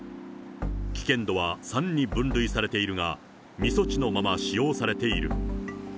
危険度は３に分類されているが、未措置のまま使用されている。